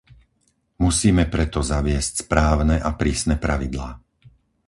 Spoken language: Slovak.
Musíme preto zaviesť správne a prísne pravidlá.